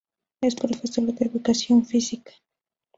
Es profesor de Educación Física.